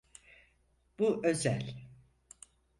Bu özel.